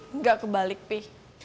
enggak kebalik pi